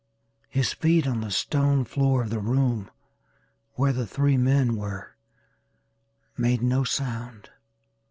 His feet on the stone floor of the room where the three men were made no sound.